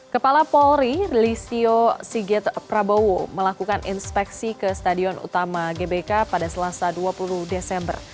kepala polri lisio sigit prabowo melakukan inspeksi ke stadion utama gbk pada selasa dua puluh desember